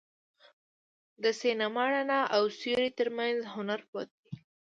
د سینما د رڼا او سیوري تر منځ هنر پروت دی.